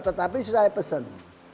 tetapi sudah saya pesen